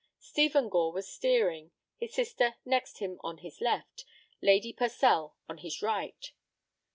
Stephen Gore was steering, his sister next him on his left, Lady Purcell on his right.